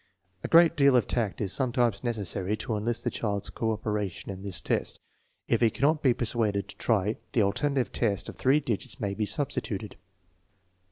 A great deal of tact is sometimes necessary to enlist the child's cooperation in tliis test. If he cannot be persuaded to try, the alternative test of three digits may be substituted.